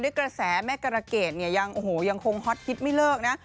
กระแสแม่กรเกดเนี่ยยังโอ้โหยังคงฮอตฮิตไม่เลิกนะ